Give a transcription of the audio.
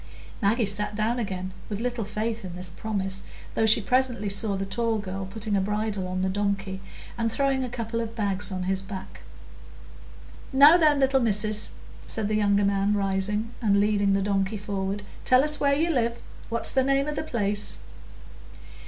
Maggie sat down again, with little faith in this promise, though she presently saw the tall girl putting a bridle on the donkey, and throwing a couple of bags on his back. "Now, then, little missis," said the younger man, rising, and leading the donkey forward, "tell us where you live; what's the name o' the place?"